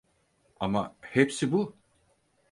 Ama hepsi bu.